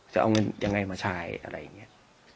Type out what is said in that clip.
จะเอาเงินยังไงมาใช้อะไรอย่างนี้